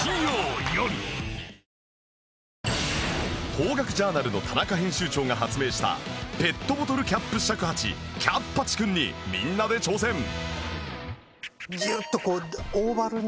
『邦楽ジャーナル』の田中編集長が発明したペットボトルキャップ尺八キャッ八くんにみんなで挑戦ギュッとこうオーバルにして。